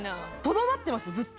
とどまってますずっと。